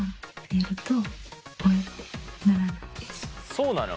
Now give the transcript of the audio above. そうなの？